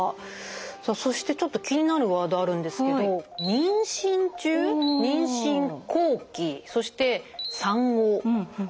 さあそしてちょっと気になるワードあるんですけど「妊娠中」「妊娠後期」そして「産後」。